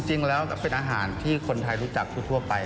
จริงแล้วก็เป็นอาหารที่คนไทยรู้จักทั่วไป